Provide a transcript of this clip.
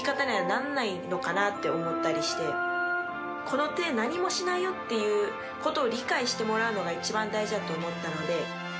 ルビーちゃんも。っていうことを理解してもらうのが一番大事だと思ったので。